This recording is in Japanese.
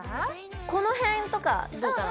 この辺とかどうかな？